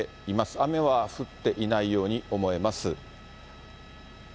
雨は降っていないように思えます。